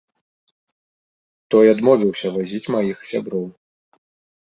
Той адмовіўся вазіць маіх сяброў.